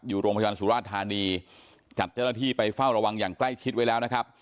อยู่โรงพยาบาลสุราชธานีจัดเจ้าหน้าที่ไปเฝ้าระวังอย่างใกล้ชิดไว้แล้วนะครับ